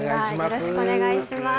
よろしくお願いします。